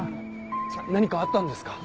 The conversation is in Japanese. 何かあったんですか？